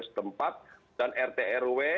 setempat dan rt rw